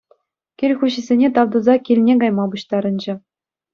Кил хуҫисене тав туса килне кайма пуҫтарӑнчӗ.